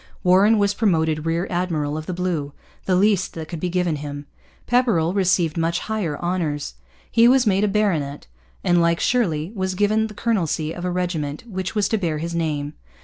Warren was promoted rear admiral of the blue, the least that could be given him. Pepperrell received much higher honours. He was made a baronet and, like Shirley, was given the colonelcy of a regiment which was to bear his name.